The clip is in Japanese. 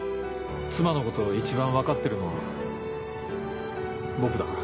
妻のことを一番分かってるのは僕だから。